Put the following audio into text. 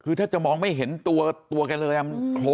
คือถ้าจะมองไม่เห็นตัวแกเลย